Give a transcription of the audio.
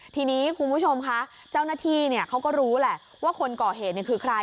ทีนี้คุณผู้ชมคะเจ้าหน้าที่เขาก็รู้แหละว่าคนก่อเหตุคือใคร